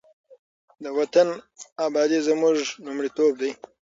د وطن ابادي زموږ لومړیتوب دی.